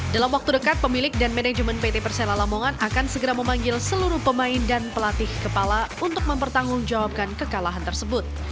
dalam waktu dekat pemilik dan manajemen pt persela lamongan akan segera memanggil seluruh pemain dan pelatih kepala untuk mempertanggungjawabkan kekalahan tersebut